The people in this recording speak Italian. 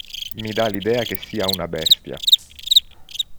Mi dà l'idea che sia una bestia.